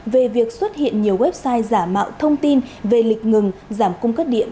về việc xuất hiện nhiều website giả mạo thông tin về lịch ngừng giảm cung cấp điện